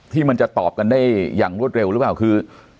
ที่มันจะตอบกันได้อย่างรวดเร็วหรือเปล่าคือ